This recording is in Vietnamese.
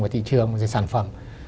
và thị trường về sản phẩm